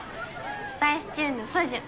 スパイスチューンのソジュン。